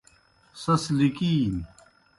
سیْس لِکِینیْ